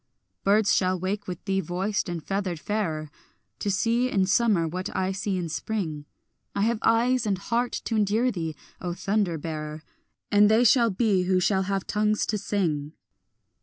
Birds shall wake with thee voiced and feathered fairer, To see in summer what I see in spring; I have eyes and heart to endure thee, O thunder bearer, And they shall be who shall have tongues to sing.